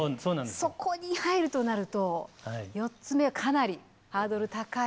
そこに入るとなると四つ目はかなりハードル高いかなと思ってます。